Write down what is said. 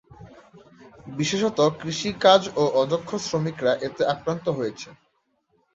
বিশেষত কৃষি কাজ ও অদক্ষ শ্রমিকরা এতে আক্রান্ত হয়েছে।